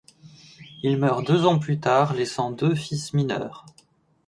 Il meurt deux ans plus tard, laissant deux fils mineurs.